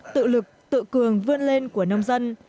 tự lực tự cường vươn lên của nông dân